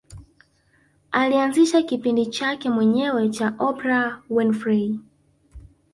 Alianzisha kipindi chake mwenyewe cha Oprah Winfrey